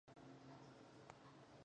هغه به خپله منډې راوهي.